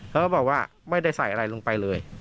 เขาบอกว่าไม่ได้ใส่อะไรลงไปเลย